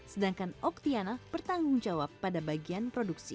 sedangkan oktiana bertanggung jawab pada bagian produksi